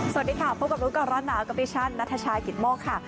สวัสดีค่ะพบกับร้อนหนาวเกาะติชันนัทชายกิถโมคค่ะ